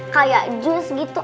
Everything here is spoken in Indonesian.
kayak jus gitu